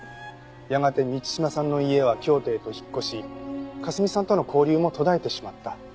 やがて満島さんの家は京都へと引っ越し香澄さんとの交流も途絶えてしまった。